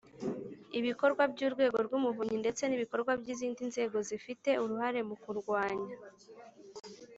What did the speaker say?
Ibikorwa by Urwego rw Umuvunyi ndetse n ibikorwa by izindi nzego zifite uruhare mu kurwanya